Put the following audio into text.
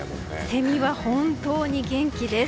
セミは本当に元気です。